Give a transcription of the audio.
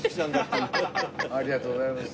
ありがとうございます。